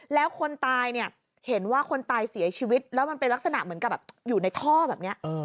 แล้วคนตายเนี่ยเห็นว่าคนตายเสียชีวิตแล้วมันเป็นลักษณะเหมือนกับแบบอยู่ในท่อแบบนี้